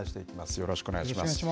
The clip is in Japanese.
よろしくお願いします。